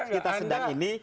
kita sedang ini